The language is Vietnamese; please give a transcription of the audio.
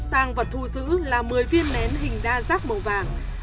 tàng vật thu giữ là một mươi viên nén hình đa giác màu vàng